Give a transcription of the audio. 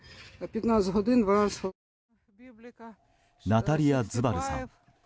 ナタリア・ズバルさん。